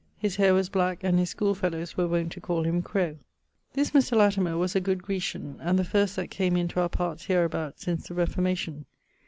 His haire was black, and his schoolfellows were wont to call him 'Crowe.' This Mr. Latimer was a good Graecian, and the first that came into our parts hereabout since the Reformation.